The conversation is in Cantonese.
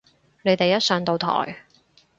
你哋一上到台